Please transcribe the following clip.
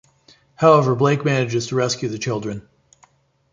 However, Blake manages to rescue the children.